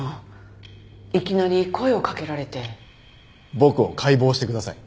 僕を解剖してください。